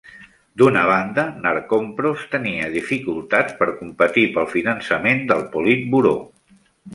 D'una banda, Narkompros tenia dificultats per competir pel finançament del Politburó.